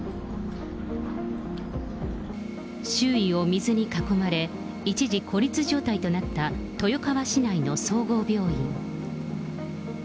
周囲を水に囲まれ、一時、孤立状態となった豊川市内の総合病院。